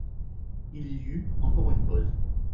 Il y eut encore une pause.